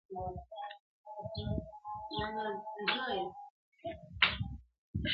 چي له لاسه مي دهقان لره كور اور سو!.